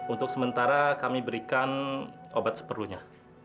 untuk sementara kami berikan obat seperlunya